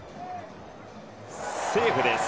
セーフです。